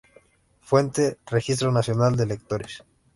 Fuente: Registro Nacional de Electores.